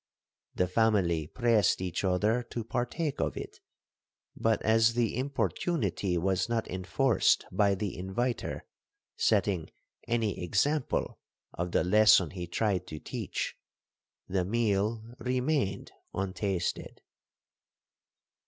The family pressed each other to partake of it; but as the importunity was not enforced by the inviter setting any example of the lesson he tried to teach, the meal remained untasted.